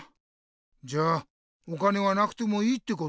じゃあお金はなくてもいいってこと？